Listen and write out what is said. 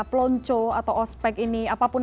pelonco atau ospek ini apapun